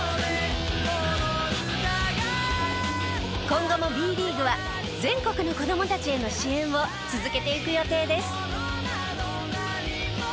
今後もＢリーグは全国の子供たちへの支援を続けていく予定です。